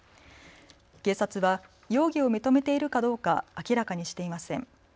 警察は容疑を認めているかどうか明らかにしていません。